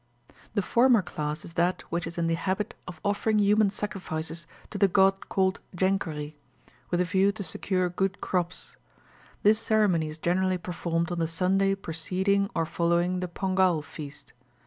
The former class is that which is in the habit of offering human sacrifices to the god called Jenkery, with a view to secure good crops. This ceremony is generally performed on the Sunday preceding or following the Pongal feast.